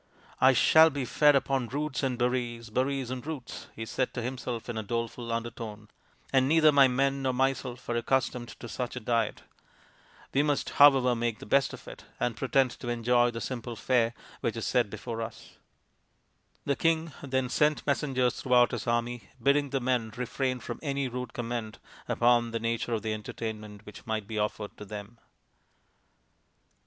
" I shall be fed upon roots and berries, berries and roots," he said to himself in a doleful undertone, " and neither my men nor myself are accustomed to such a diet. We must, however, make the best of it, 20 4 THE INDIAN STORY BOOK and pretend to enjoy the simple fare which is set before us." The king then sent messengers through out his army bidding the men refrain from any rude comment upon the nature of the entertainment which might be offered to them.